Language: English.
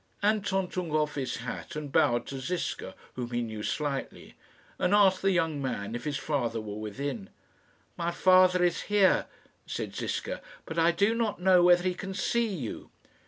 Anton took off his hat and bowed to Ziska, whom he knew slightly, and asked the young man if his father were within. "My father is here," said Ziska, "but I do not know whether he can see you."